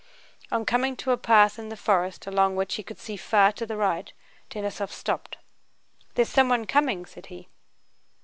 On coming to a path in the forest along which he could see far to the right, Denísov stopped. "There's someone coming," said he.